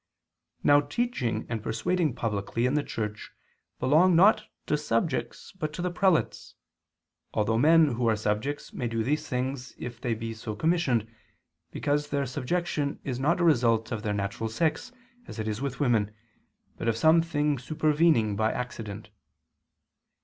Now teaching and persuading publicly in the church belong not to subjects but to the prelates (although men who are subjects may do these things if they be so commissioned, because their subjection is not a result of their natural sex, as it is with women, but of some thing supervening by accident).